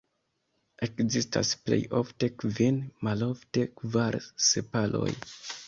Ekzistas plej ofte kvin, malofte kvar sepaloj.